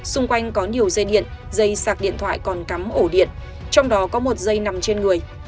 xung quanh có nhiều dây điện dây sạc điện thoại còn cắm ổ điện trong đó có một dây nằm trên người